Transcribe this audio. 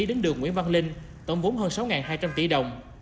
đến đường nguyễn văn linh tổng vốn hơn sáu hai trăm linh tỷ đồng